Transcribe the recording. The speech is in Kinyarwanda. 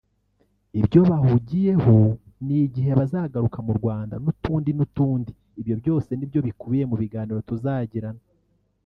ibyo bahugiyeho n’igihe bazagarukira mu Rwanda n’utundi n’utundi ibyo byose nibyo bikubiye mu biganiro tuzagirana »